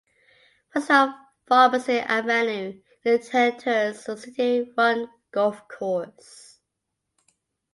West of Pharmacy Avenue it enters a city run golf course.